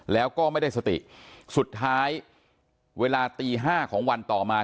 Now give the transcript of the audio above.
แล้วก็ไม่ได้สติสุดท้ายเวลาตีห้าของวันต่อมา